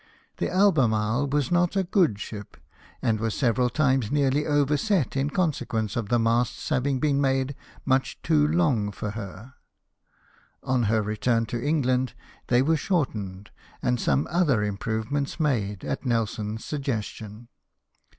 The Albemarle was not a good ship, and was several times nearly overset in con sequence of the masts having been made much too long for her. On her return to England they were shortened, and some other improvements made, at Nelson's suggestion.